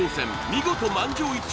見事満場一致